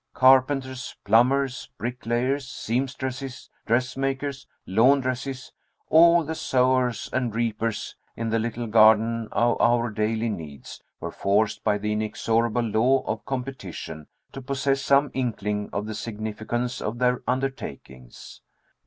Carpenters, plumbers, bricklayers, seamstresses, dressmakers, laundresses all the sowers and reapers in the little garden of our daily needs, were forced by the inexorable law of competition to possess some inkling of the significance of their undertakings.